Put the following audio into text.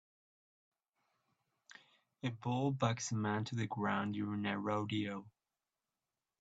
A bull bucks a man to the ground during a rodeo.